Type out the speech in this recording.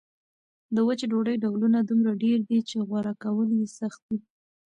د وچې ډوډۍ ډولونه دومره ډېر دي چې غوره کول یې سخت وي.